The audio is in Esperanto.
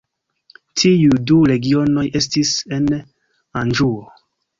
Tiuj du regionoj estis en Anĵuo.